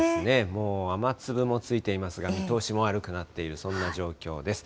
もう雨粒もついていますが、見通しも悪くなっている、そんな状況です。